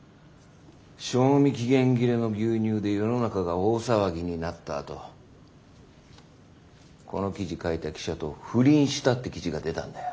賞味期限切れの牛乳で世の中が大騒ぎになったあとこの記事書いた記者と不倫したって記事が出たんだよ。